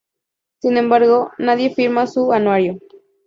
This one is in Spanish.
Sin embargo, nadie firma su anuario.